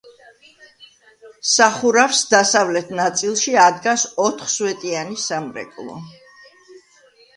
სახურავს დასავლეთ ნაწილში ადგას ოთხსვეტიანი სამრეკლო.